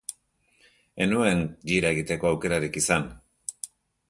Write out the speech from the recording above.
Ez nuen jira egiteko aukerarik izan.